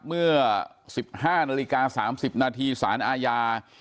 เมื่อ๑๕นาฬิกา๓๐นาทีสารอาญา